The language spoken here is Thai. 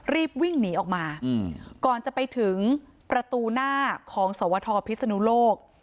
รีบวิ่งหนีออกมาก่อนจะไปถึงประตูหน้าของสวทพิศนุโลก